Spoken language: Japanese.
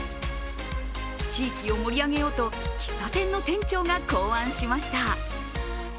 地域を盛り上げようと、喫茶店の店長が考案しました。